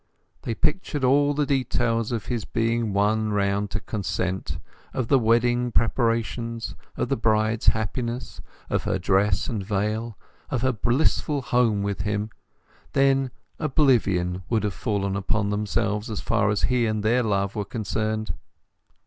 They pictured all the details of his being won round to consent, of the wedding preparations, of the bride's happiness, of her dress and veil, of her blissful home with him, when oblivion would have fallen upon themselves as far as he and their love were concerned.